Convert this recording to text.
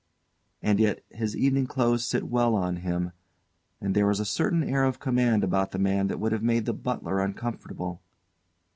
And yet his evening clothes sit well on him; and there is a certain air of command about the man that would have made the butler uncomfortable.